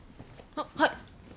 あっはい。